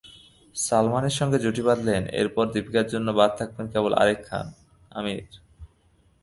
সালমানের সঙ্গে জুটি বাঁধলে এরপর দীপিকার জন্য বাদ থাকবেন কেবল আরেক খান—আমির।